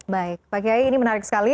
baik pak kiai ini menarik sekali